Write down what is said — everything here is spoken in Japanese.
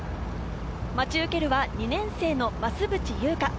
待ち受けるは２年生の増渕祐香。